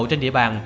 trên địa bàn